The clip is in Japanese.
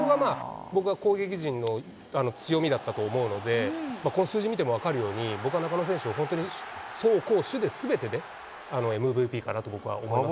僕は攻撃陣の強みだったと思うので、この数字見ても分かるように、僕は中野選手、本当に走攻守ですべてでＭＶＰかなと僕は思いますね。